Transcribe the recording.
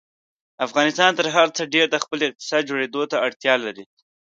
افغانستان تر هر څه ډېر د خپل اقتصاد جوړېدو ته اړتیا لري.